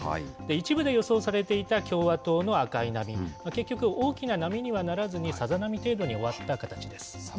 一部で予想されていた共和党の赤い波、結局、大きな波にはならずにさざ波程度に終わった形です。